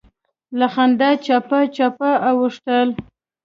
له خندا چپه چپه اوښتل.